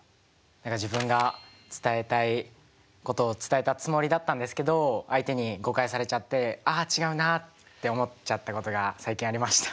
何か自分が伝えたいことを伝えたつもりだったんですけど相手に誤解されちゃって「あ違うな」って思っちゃったことが最近ありました。